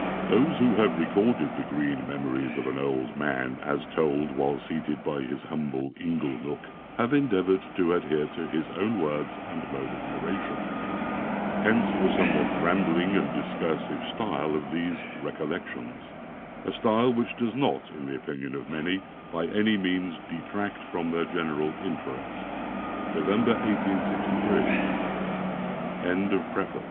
Those who have recorded the green memories of an old man, as told while seated by his humble "ingle nook" have endeavoured to adhere to his own words and mode of narration hence the somewhat rambling and discursive style of these "Recollections" a style which does not, in the opinion of many, by any means detract from their general interest. The frontispiece is copied (by special permissio